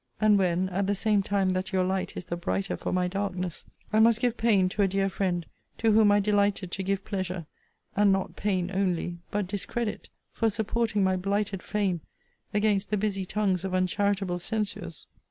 And when, at the same time that your light is the brighter for my darkness, I must give pain to a dear friend, to whom I delighted to give pleasure; and not pain only, but discredit, for supporting my blighted fame against the busy tongues of uncharitable censures!